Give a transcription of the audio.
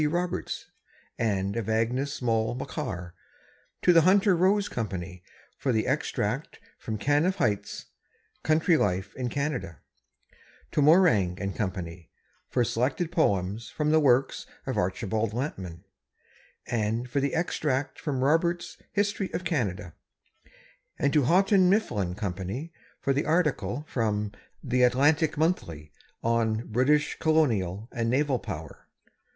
D. Roberts, and of Agnes Maule Machar; to the Hunter Rose Company for the extract from Canniff Haight's "Country Life in Canada"; to Morang & Company for selected poems from the works of Archibald Lampman, and for the extract from Roberts' "History of Canada"; and to Houghton Mifflin Company for the article from "The Atlantic Monthly" on "British Colonial and Naval Power."